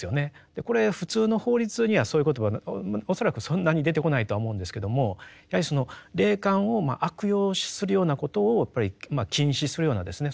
これ普通の法律にはそういう言葉恐らくそんなに出てこないとは思うんですけどもやはりその霊感を悪用するようなことをやっぱり禁止するようなですね